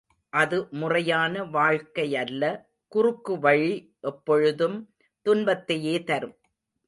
அது முறையான வாழ்க்கையல்ல, குறுக்கு வழி எப்பொழுதும் துன்பத்தையே தரும்.